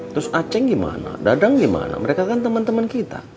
terus aceh gimana dadang gimana mereka kan teman teman kita